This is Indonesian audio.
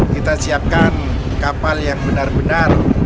kita siapkan kapal yang benar benar